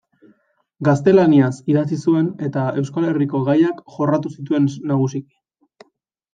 Gaztelaniaz idatzi zuen eta Euskal Herriko gaiak jorratu zituen nagusiki.